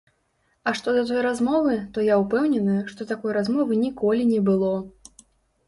А што да той размовы, то я ўпэўнены, што такой размовы ніколі не было.